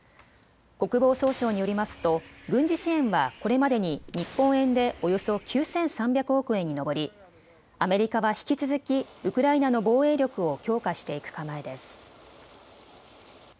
国防総省によりますと軍事支援はこれまでに日本円でおよそ９３００億円に上りアメリカは引き続きウクライナの防衛力を強化していく構えです。